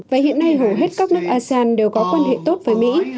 và hiện nay hầu hết các nước asean đều có quan hệ tốt với mỹ